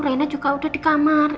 raina juga udah di kamar